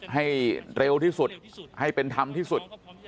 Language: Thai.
ให้เร็วที่สุดให้เป็นธรรมที่สุด